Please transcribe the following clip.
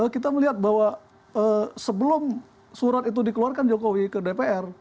kita melihat bahwa sebelum surat itu dikeluarkan jokowi ke dpr